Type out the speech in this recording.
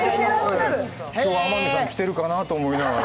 今日、天海さん着ているかなと思いながら。